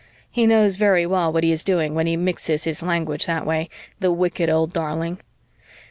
He knows very well what he is doing when he mixes his language that way, the wicked old darling.